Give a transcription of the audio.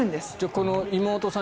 この妹さん